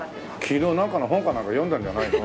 昨日なんかの本かなんか読んだんじゃないの？